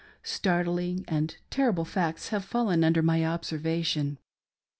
Startling and terrible facts have fallen under my observation.